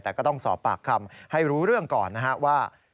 แต่ก็ต้องสอบปากคำให้รู้เรื่องก่อนนะฮะว่า